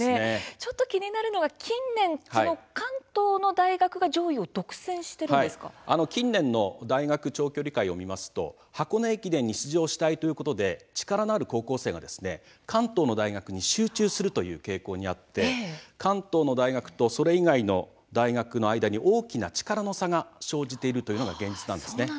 ちょっと気になるのが近年関東の大学が近年の大学長距離界を見ますと箱根駅伝を走りたいということで力のある高校生が関東の大学に集中するという傾向にあって関東の大学と、それ以外の大学の間に大きな力の差が生じているというのが現実なんです。